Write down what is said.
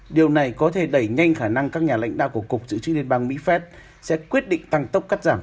điều này có thể đẩy nhanh khả năng các nhà lãnh đạo của cục dự trữ liên bang mỹ phép sẽ quyết định tăng tốc cắt giảm